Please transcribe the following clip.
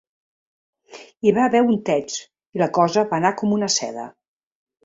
Hi va haver untets, i la cosa va anar com una seda.